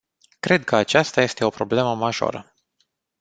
Cred că aceasta este o problemă majoră.